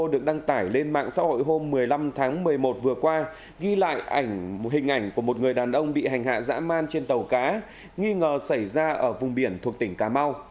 được đăng tải lên mạng xã hội hôm một mươi năm tháng một mươi một vừa qua ghi lại ảnh hình ảnh của một người đàn ông bị hành hạ dã man trên tàu cá nghi ngờ xảy ra ở vùng biển thuộc tỉnh cà mau